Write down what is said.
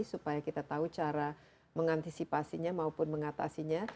supaya kita tahu cara mengantisipasinya maupun mengatasinya